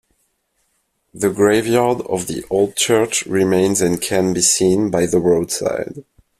The graveyard of the old church remains and can be seen by the roadside.